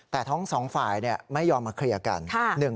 แต่ทั้ง๒ฝ่ายเนี่ยไม่ยอมมาเคลียร์กัน